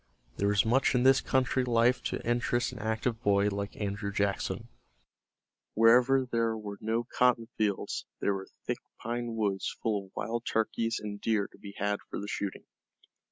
There was much in this country life to interest an active boy like Andrew Jackson. Wherever there were no cotton fields there were thick pine woods full of wild turkeys and deer to be had for the shooting.